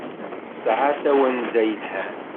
Tesɛa tawenza yelhan.